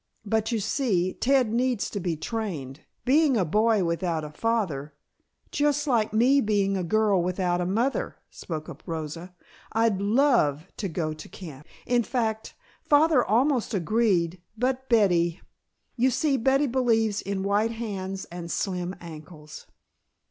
"But you see, Ted needs to be trained. Being a boy without a father " "Just like me being a girl without a mother," spoke up Rosa. "I'd love to go to camp. In fact, father almost agreed, but Betty! You see Betty believes in white hands and slim ankles."